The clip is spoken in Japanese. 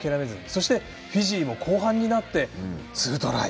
そしてフィジーも後半になって２トライ